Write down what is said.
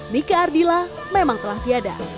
nika ardila memang telah tiada